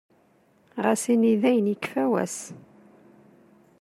Ɣas ini dayen yekfa wass.